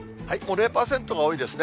０％が多いですね。